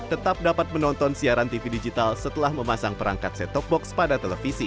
tetap dapat menonton siaran tv digital setelah memasang perangkat set top box pada televisi